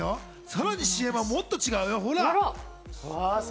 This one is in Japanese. さらにＣＭはもっと違うよ、ほら。